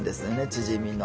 チヂミの。